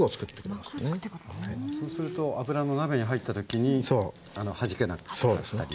そうすると油の鍋に入った時にはじけなくなったり。